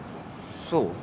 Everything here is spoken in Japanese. そう？